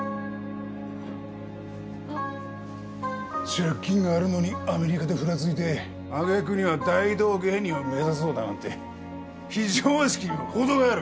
借金があるのにアメリカでふらついて揚げ句には大道芸人を目指そうだなんて非常識にも程がある。